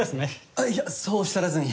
あっいやそうおっしゃらずに。